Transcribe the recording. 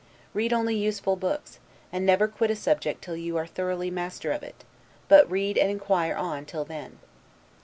Read only useful books; and never quit a subject till you are thoroughly master of it, but read and inquire on till then.